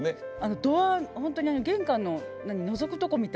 ドアホントに玄関ののぞくとこみたい。